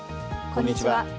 こんにちは。